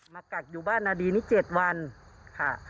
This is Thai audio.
กักอยู่บ้านนาดีนี้๗วันค่ะ